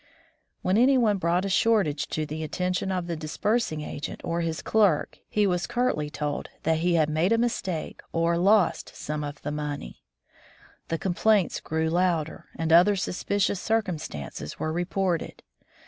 When any one brought a shortage to the attention of the disbursing agent or his clerk, he was curtly told that he had made a mistake or lost some of the money. The complaints grew louder, and other suspicious circumstances were reported.